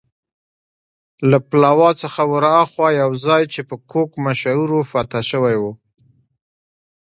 له پلاوا څخه ورهاخوا یو ځای چې په کوک مشهور و، فتح شوی و.